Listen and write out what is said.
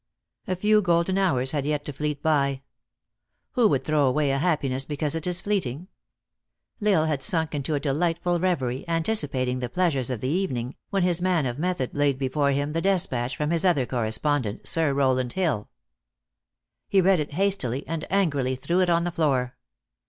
A few golden hours had yet to fleet by. Who would throw away a happiness because it is fleeting ? L Isle had sunk into a delightful reverie, anticipating the pleasures of the evening, when his man of method laid before him the despatch from his other corres pondent, Sir Rowland Hill. He read it hastily, and angrily threw it on th^ floor.